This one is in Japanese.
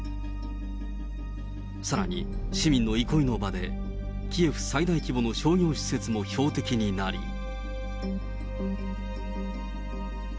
さらに、市民の憩いの場でキエフ最大規模の商業施設も標的になり。